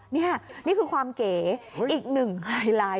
นี่นี่คือความเก๋อีกหนึ่งไฮไลท์